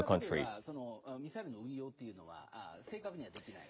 ただこれだけでは、ミサイルの運用というのは、正確にはできない。